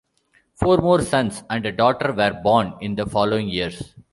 Four more sons and a daughter were born in the following years.